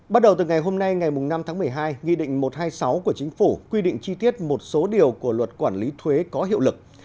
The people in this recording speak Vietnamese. bắt đầu từ ngày hôm nay ngày năm tháng một mươi hai nghị định một trăm hai mươi sáu của chính phủ quy định chi tiết một số điều của luật quản lý thuế có hiệu lực